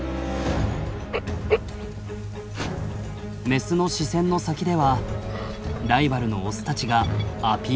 メスの視線の先ではライバルのオスたちがアピール合戦。